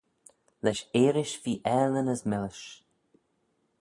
Lesh earish feer aalin as millish.